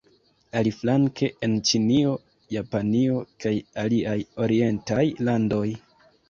Aliflanke en Ĉinio, Japanio kaj aliaj orientaj landoj.